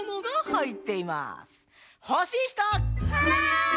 はい！